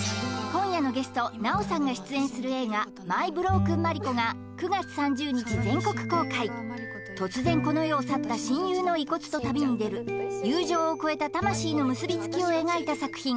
今夜のゲスト奈緒さんが出演する映画「マイ・ブロークン・マリコ」が９月３０日全国公開突然この世を去った親友の遺骨と旅に出る友情を超えた魂の結びつきを描いた作品